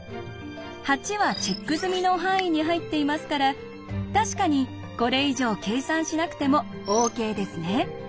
８はチェック済みの範囲に入っていますから確かにこれ以上計算しなくてもＯＫですね。